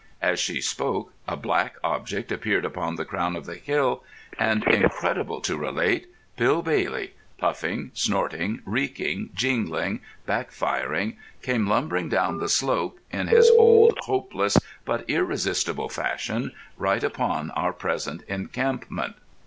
As she spoke a black object appeared upon the crown of the hill, and, incredible to relate, Bill Bailey, puffing, snorting, reeking, jingling, back firing, came lumbering down the slope, in his old hopeless but irresistible fashion, right upon our present encampment.